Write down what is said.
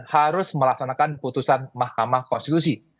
harus melahkonakan keputusan mahkamah konstitusi